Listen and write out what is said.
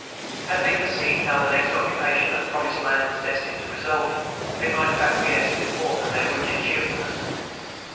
Had they foreseen how the next occupation of the Promised Land was destined to result, they might have acquiesced with more of their wonted cheerfulness.